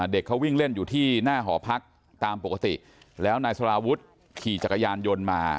เด็กเขาวิ่งเล่นอยู่ที่หน้าหอพักตามปกติแล้วนายสารวุฒิขี่จักรยานยนต์มา